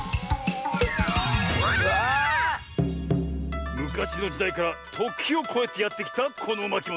わあ！むかしのじだいからときをこえてやってきたこのまきもの。